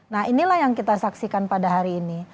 nah inilah yang kita saksikan pada hari ini